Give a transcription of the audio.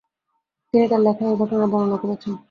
তিনি তার লেখায় এ ঘটনা বর্ণনা করেছেন।